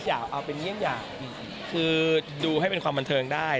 อยากเอาเป็นเยี่ยงอย่างคือดูให้เป็นความบันเทิงได้